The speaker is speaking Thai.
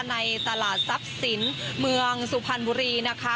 ในตลาดทรัพย์สินเมืองสุพรรณบุรีนะคะ